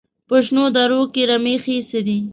په شنو درو کې رمې ښې څري.